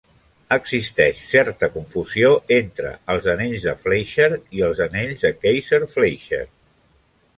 Existeix certa confusió entre els anells de Fleischer i els anells de Kayser-Fleischer.